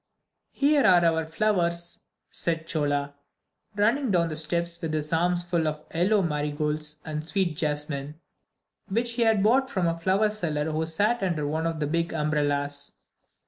"Here are our flowers," said Chola, running down the steps with his arms full of yellow marigolds and sweet jasmine, which he had bought from the flower seller who sat under one of the big umbrellas.